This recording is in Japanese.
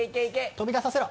飛び出させろ。